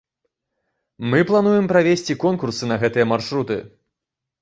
Мы плануем правесці конкурсы на гэтыя маршруты.